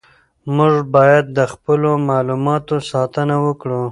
موږ باید د خپلو معلوماتو ساتنه وکړو.